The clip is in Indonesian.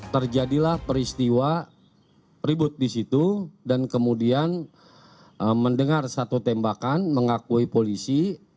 terjadilah peristiwa ribut di situ dan kemudian mendengar satu tembakan mengakui polisi